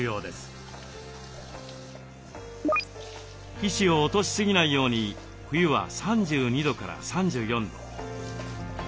皮脂を落としすぎないように冬は３２度３４度。